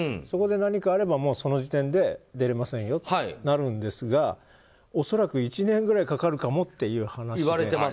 そこで何かあればその時点で出れませんよとなるんですが恐らく、１年ぐらいかかるかもという話が。